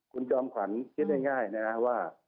คุณจอมขวัญคิดง่ายนะครับว่า